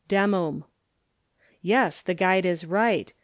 Demum" Yes, the guide is right.